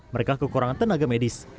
mereka kekurangan tenaga medis